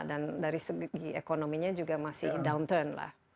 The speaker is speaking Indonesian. dan dari segi ekonominya juga masih turun